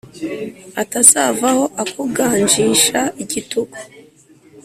atazavaho akuganjisha igitugu